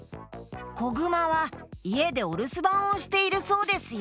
こぐまはいえでおるすばんをしているそうですよ。